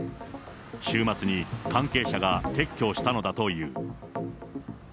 週末に関係者が撤去したのだという。